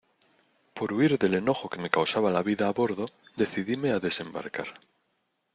por huir del enojo que me causaba la vida a bordo, decidíme a desembarcar.